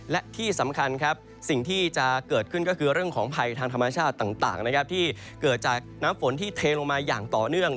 และที่สำคัญครับสิ่งที่จะเกิดขึ้นก็คือเรื่องของภัยทางธรรมชาติต่างนะครับที่เกิดจากน้ำฝนที่เทลงมาอย่างต่อเนื่อง